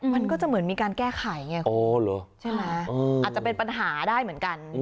มันก็จะเหมือนมีการแก้ไขไงใช่ไหมอาจจะเป็นปัญหาได้เหมือนกัน